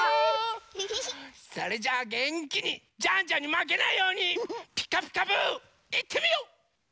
それじゃあげんきにジャンジャンにまけないように「ピカピカブ！」いってみよう！